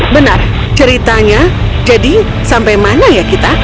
benar ceritanya jadi sampai mana ya kita